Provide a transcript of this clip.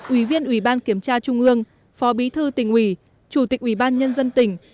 ủy viên ủy ban kiểm tra trung ương phó bí thư tỉnh ủy chủ tịch ủy ban nhân dân tỉnh